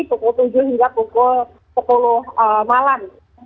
pukul tujuh hingga pukul sepuluh malam